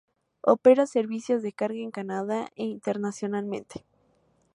Opera servicios de carga en Canadá e internacionalmente.